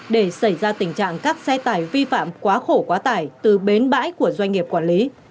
để xảy ra tình trạng các xe tải vi phạm quá khổ quá tải từ bến bãi của doanh nghiệp quản lý